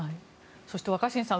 そして、若新さん